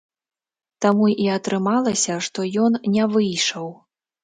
Таму і атрымалася, што ён не выйшаў.